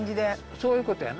そういうことやな。